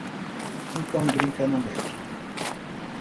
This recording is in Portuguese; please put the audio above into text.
Um cão brinca na neve.